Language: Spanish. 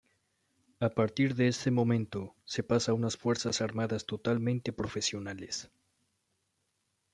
A partir de ese momento se pasa a unas fuerzas armadas totalmente profesionales.